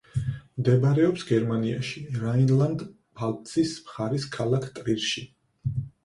მდებარეობს გერმანიაში, რაინლანდ-პფალცის მხარის ქალაქ ტრირში.